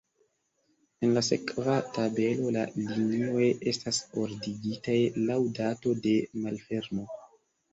En la sekva tabelo la linioj estas ordigitaj laŭ dato de malfermo.